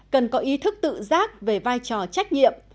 cần có ý thức tự giác về vai trò trách nhiệm